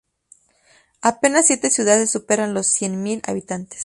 Apenas siete ciudades superan los cien mil habitantes.